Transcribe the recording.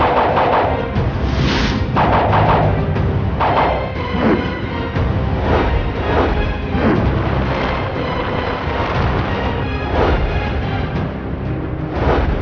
anda bisa memmathrafikkan bisnis membuat hal hal selain pohon halan diri sendiri